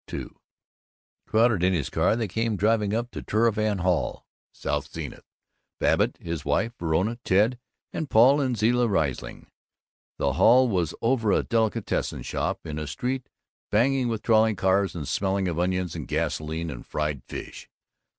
II Crowded in his car, they came driving up to Turnverein Hall, South Zenith Babbitt, his wife, Verona, Ted, and Paul and Zilla Riesling. The hall was over a delicatessen shop, in a street banging with trolleys and smelling of onions and gasoline and fried fish.